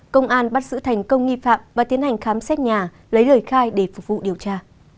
công an bắt giữ thành công nghi phạm và tiến hành khám xét nhà lấy lời khai để phục vụ điều tra